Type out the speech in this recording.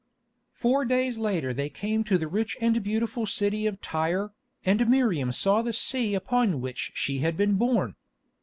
Four days later they came to the rich and beautiful city of Tyre, and Miriam saw the sea upon which she had been born.